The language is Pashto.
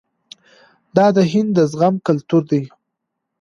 دا د هند د زغم کلتور دی.